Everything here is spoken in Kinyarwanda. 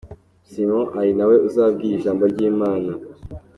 Simon ari na we uzabwiriza ijambo ry’Imana.